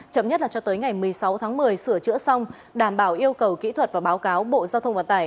chậm nhất là cho tới ngày một mươi sáu tháng một mươi sửa chữa xong đảm bảo yêu cầu kỹ thuật và báo cáo bộ giao thông vận tải